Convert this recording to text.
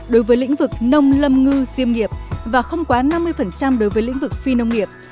đối với lĩnh vực nông lâm ngư diêm nghiệp và không quá năm mươi đối với lĩnh vực phi nông nghiệp